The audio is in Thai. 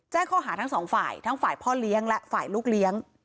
ข้อหาทั้งสองฝ่ายทั้งฝ่ายพ่อเลี้ยงและฝ่ายลูกเลี้ยง